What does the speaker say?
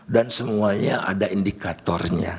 dan semuanya ada indikatornya